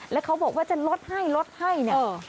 แล้วเขาบอกว่าจะลดให้ลดให้เนี่ย